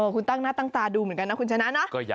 คุณตั้งหน้าตั้งตาดูเหมือนกันนะคุณชนะเนาะ